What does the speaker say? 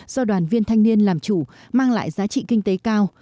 do đoàn viên thanh niên làm chủ mang lại giá trị kinh tế cao